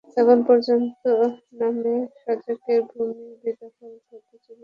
এখন পর্যটনের নামে সাজেকের ভূমি বেদখল হতে চলছে বলে বক্তারা অভিযোগ করেন।